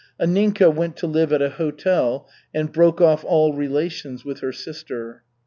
Anninka went to live at a hotel and broke off all relations with her sister.